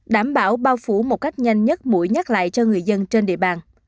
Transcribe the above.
đảm bảo bao phủ một cách nhanh nhất mũi nhắc lại cho người dân trên địa bàn